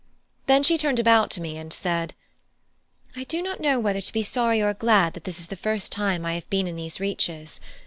Then she turned about to me and said: "I do not know whether to be sorry or glad that this is the first time that I have been in these reaches.